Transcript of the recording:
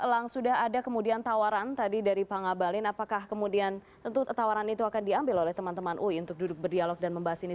elang sudah ada kemudian tawaran tadi dari pak ngabalin apakah kemudian tentu tawaran itu akan diambil oleh teman teman ui untuk duduk berdialog dan membahas ini